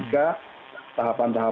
skanzir itu keberadaan mahal